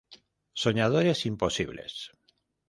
Soñadores imposibles.